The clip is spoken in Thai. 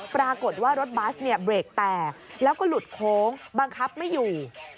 ปรากฏว่ารถบัสเนี่ยเบรกแตกแล้วก็หลุดโค้งบังคับไม่อยู่